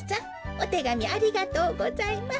おてがみありがとうございます。